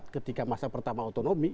ketika masa pertama otonomi